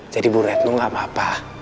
jadi bu retno gak apa apa